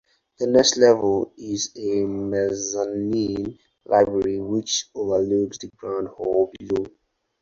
The next level is a mezzanine library which overlooks the grand hall below.